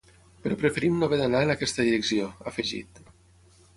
Però preferim no haver d’anar en aquesta direcció, ha afegit.